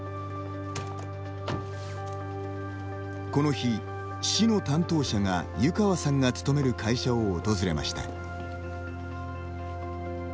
この日、市の担当者が湯川さんが勤める会社を訪れました。